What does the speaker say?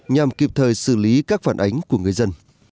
nhằm kịp thời xử lý các phản ánh của người dân